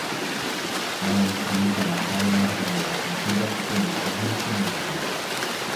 مەن كېيىنكى ماقالىلەردىمۇ مۇشۇنداق ئۇسۇلنى قوللىنىشىم مۇمكىن.